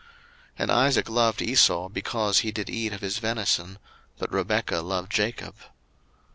01:025:028 And Isaac loved Esau, because he did eat of his venison: but Rebekah loved Jacob.